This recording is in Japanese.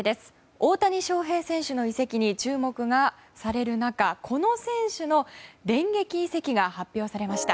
大谷翔平選手の移籍に注目がされる中この選手の電撃移籍が発表されました。